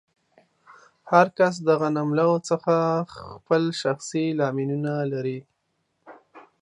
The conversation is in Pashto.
هر کس د غنملو څخه خپل شخصي لاملونه لري.